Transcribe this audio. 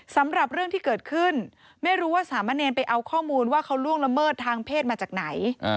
สำหรับเรื่องที่เกิดขึ้นไม่รู้ว่าสามะเนรไปเอาข้อมูลว่าเขาล่วงละเมิดทางเพศมาจากไหน